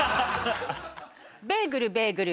ベーグルベーグル。